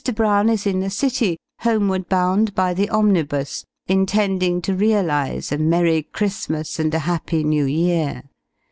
Brown is in the City, homeward bound by the omnibus, intending to realize "a Merry Christmas, and a Happy New Year."